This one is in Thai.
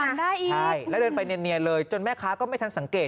ได้อีกใช่แล้วเดินไปเนียนเลยจนแม่ค้าก็ไม่ทันสังเกต